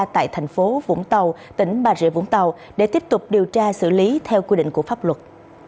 tại thành phố vũng tàu tỉnh bà rịa vũng tàu để tiếp tục điều tra xử lý theo quy định của pháp luật